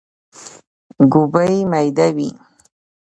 ګوبی ميده وي.